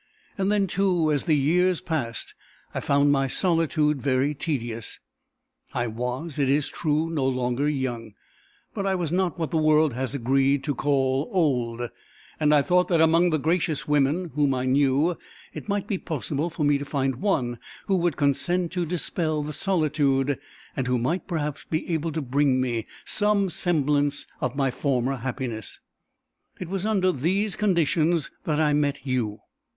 Then, too, as years passed I found my solitude very tedious. I was, it is true, no longer young, but I was not what the world has agreed to call old; and I thought that among the gracious women whom I knew it might be possible for me to find one who would consent to dispel the solitude, and who might perhaps be able to bring me some semblance of my former happiness. It was under these conditions that I met you.